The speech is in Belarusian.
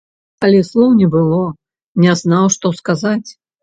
Але слоў не было, не знаў, што сказаць.